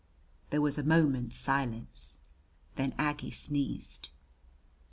There was a moment's silence. Then Aggie sneezed!